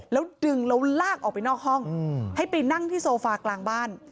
แล้วดึงแล้วลากออกไปนอกห้องให้ไปนั่งที่โซฟากลางบ้าน